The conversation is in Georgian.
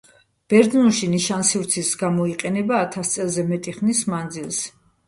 ბერძნულში ნიშანსივრცის გამოიყენება ათას წელზე მეტი ხნის მანძილზე.